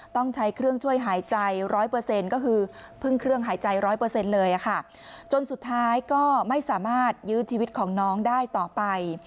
ต้องใช้เครื่องช่วยหายใจ๑๐๐ก็คือพึ่งเครื่องหายใจ๑๐๐เลยค่ะจนสุดท้ายก็ไม่สามารถยืนชีวิตของน้องได้ต่อไป